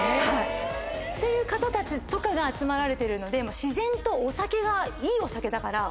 っていう方たちとかが集まられてるので自然とお酒が。